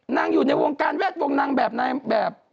นางอยู่ในวงการแวะวงนางแบบไหนแบบ